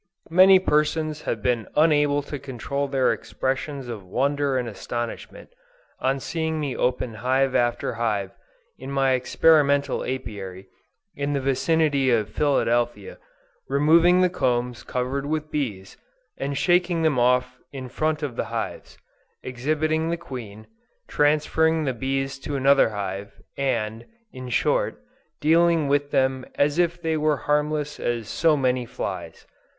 Many persons have been unable to control their expressions of wonder and astonishment, on seeing me open hive after hive, in my experimental Apiary, in the vicinity of Philadelphia, removing the combs covered with bees, and shaking them off in front of the hives; exhibiting the queen, transferring the bees to another hive, and, in short, dealing with them as if they were as harmless as so many flies.